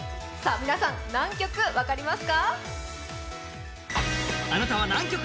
皆さん、何曲分かりますか？